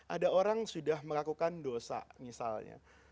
ada orang sudah melakukan dosa misalnya